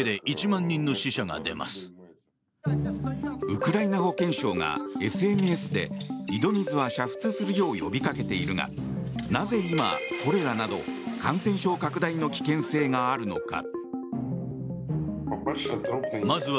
ウクライナ保健省がＳＮＳで井戸水は煮沸するよう呼びかけているがなぜ今、コレラなど感染症拡大の危険性があるのか。